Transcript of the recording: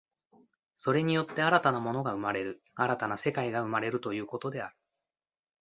それによって新たな物が生まれる、新たな世界が生まれるということである。